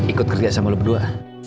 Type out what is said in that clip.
ikut kerja sama lo berdua